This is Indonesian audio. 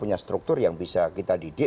untuk membuat pemilu